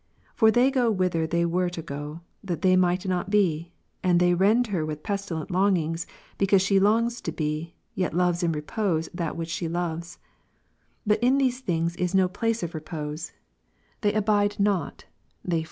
For they go whither they were 1 go, that they might not be; and they rend her with pestileii longings, because she longs to be, yet loves to repose in what she loves ^ But in these things is no place of repose ; they 1 See above i.